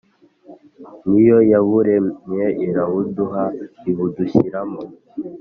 ni yo yaburemyeirabuduha, ibudushyiramo